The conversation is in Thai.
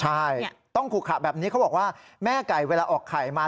ใช่ต้องขุขะแบบนี้เขาบอกว่าแม่ไก่เวลาออกไข่มา